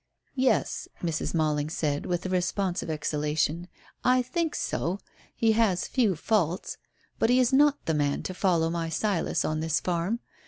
"Yes," Mrs. Malling said, with a responsive exhalation, "I think so. He has few faults. But he is not the man to follow my Silas on this farm.